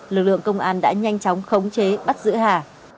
lực lượng công an đã nhanh chóng khống chế bắt giữ hà